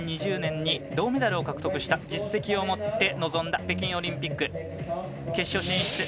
２０２０年に銅メダルを獲得して実績を持って臨んだ北京オリンピックで決勝進出。